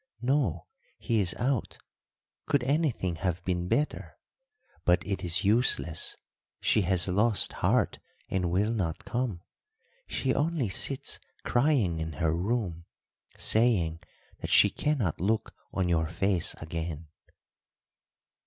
"No, he is out could anything have been better? But it is useless, she has lost heart and will not come. She only sits crying in her room, saying that she cannot look on your face again."